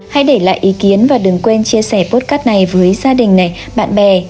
hãy để lại ý kiến và đừng quên chia sẻ potcat này với gia đình này bạn bè